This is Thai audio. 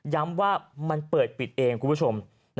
ย้ำว่ามันเปิดปิดเองคุณผู้ชม